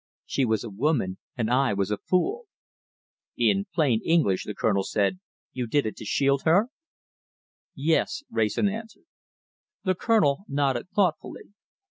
She was a woman, and I was a fool." "In plain English," the Colonel said, "you did it to shield her?" "Yes!" Wrayson answered. The Colonel nodded thoughtfully.